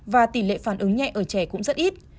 và tỷ lệ phản ứng nhẹ ở trẻ cũng rất ít